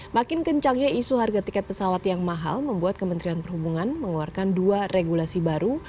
makin kencangnya isu harga tiket pesawat yang mahal membuat kementerian perhubungan mengeluarkan dua regulasi baru